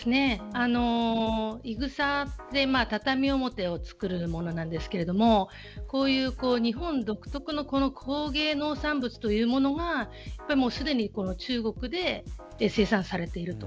イ草って畳表を作るものですが日本独特の工芸農産物というものがすでに中国で生産されている。